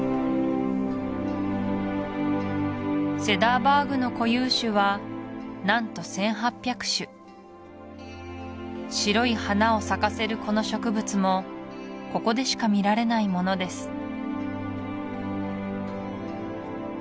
セダーバーグの固有種は何と１８００種白い花を咲かせるこの植物もここでしか見られないものです